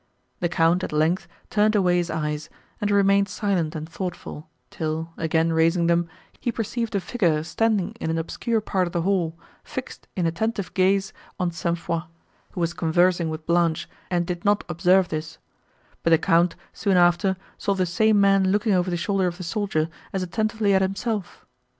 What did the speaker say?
The Count, at length, turned away his eyes, and remained silent and thoughtful, till, again raising them, he perceived a figure standing in an obscure part of the hall, fixed in attentive gaze on St. Foix, who was conversing with Blanche, and did not observe this; but the Count, soon after, saw the same man looking over the shoulder of the soldier as attentively at himself.